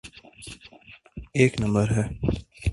ایک نمبر ہے؟